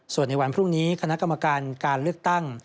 ส่วนในวันพรุ่งนี้คณะกรรมการการเลือกตั้ง